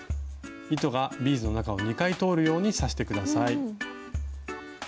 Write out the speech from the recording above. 糸がビーズの中を２回通るように刺して下さい。